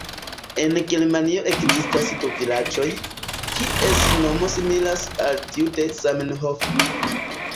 En Germanio ekzistas du vilaĝoj, kies nomo similas al tiu de "Zamenhof".